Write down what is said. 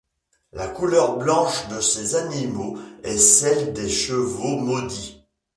La couleur blanche de ces animaux est celle des chevaux maudits.